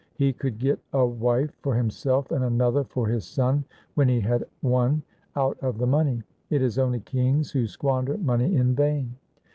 He could get a wife for himself and another for his son, when he had one, out of the money. It is only kings who squander money in vain.'